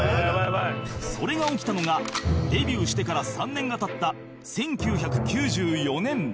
それが起きたのがデビューしてから３年が経った１９９４年